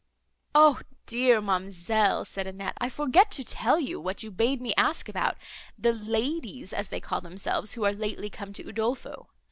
"O dear, ma'amselle!" said Annette, "I forget to tell you what you bade me ask about, the ladies, as they call themselves, who are lately come to Udolpho.